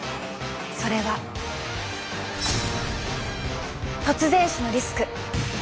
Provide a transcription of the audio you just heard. それは突然死のリスク。